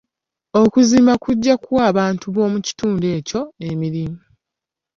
Okuzimba kujja kuwa abantu b'omu kitundu ekyo emirimu.